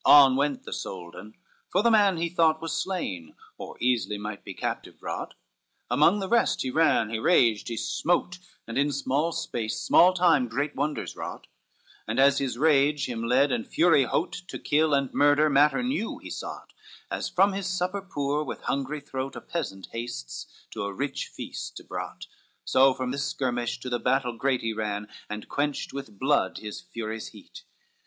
On went the Soldan, for the man he thought Was slain, or easily might be captive brought. LXXXI Among the rest he ran, he raged, he smote, And in small space, small time, great wonders wrought And as his rage him led and fury hot, To kill and murder, matter new he sought: As from his supper poor with hungry throat A peasant hastes, to a rich feast ybrought; So from this skirmish to the battle great He ran, and quenched with blood his fury's heat.